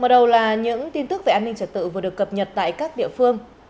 mở đầu là những tin tức về an ninh trật tự vừa được cập nhật tại các địa phương